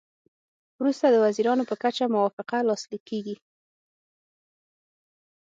وروسته د وزیرانو په کچه موافقه لاسلیک کیږي